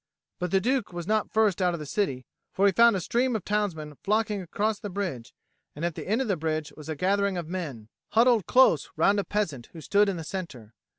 But the Duke was not first out of the city; for he found a stream of townsmen flocking across the bridge; and at the end of the bridge was a gathering of men, huddled close round a peasant who stood in the centre.